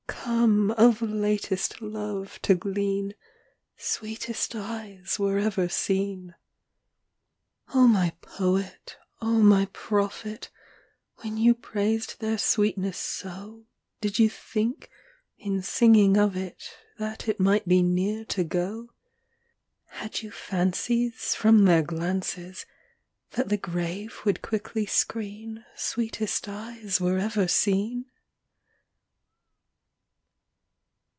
Come, of latest love, to glean "Sweetest eyes were ever seen." VIII. O my poet, O my prophet, When you praised their sweetness so, Did you think, in singing of it, That it might be near to go? Had you fancies From their glances, That the grave would quickly screen "Sweetest eyes were ever seen"?